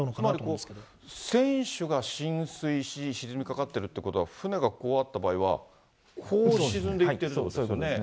つまり船首が浸水し、沈みかかっているということは、船がこうあった場合は、こう沈んでいってるということですよね。